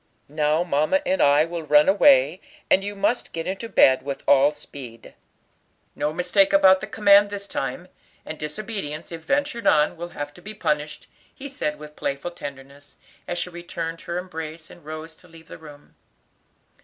Now mamma and I will run away, and you must get into bed with all speed. No mistake about the command this time, and disobedience, if ventured on, will have to be punished," he said with playful tenderness, as he returned her embrace, and rose to leave the room.